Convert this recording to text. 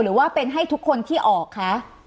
หรือว่าเป็นให้ทุกคนที่ออกคะ